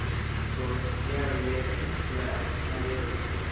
Post jaroj li atingis la rangon majoro.